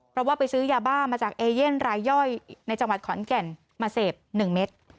เพราะว่าไปซื้อยาบ้ามาจากเอเย่นรายย่อยในจังหวัดขอนแก่นมาเสพ๑เม็ด